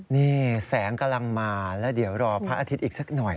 นี่แสงกำลังมาแล้วเดี๋ยวรอพระอาทิตย์อีกสักหน่อย